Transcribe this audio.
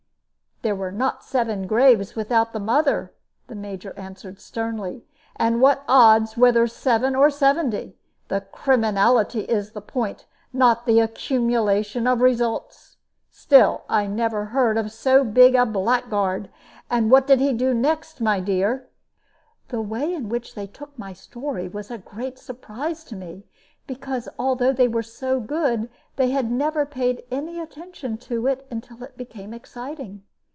"There were not seven graves without the mother," the Major answered, sternly. "And what odds whether seven or seventy? The criminality is the point, not the accumulation of results. Still, I never heard of so big a blackguard. And what did he do next, my dear?" The way in which they took my story was a great surprise to me, because, although they were so good, they had never paid any attention to it until it became exciting.